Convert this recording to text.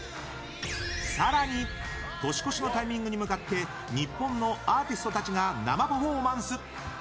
更に年越しのタイミングに向かって日本のアーティストたちが生パフォーマンス！